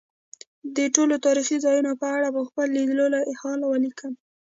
د ټولو تاریخي ځایونو په اړه به خپل لیدلی حال ولیکم.